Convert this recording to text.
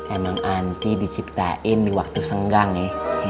emang anti diciptain di waktu senggang ya